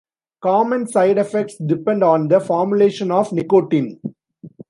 Common side effects depend on the formulation of nicotine.